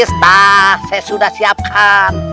eh tahu saya sudah siapkan